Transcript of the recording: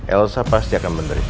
elsa pasti akan menderita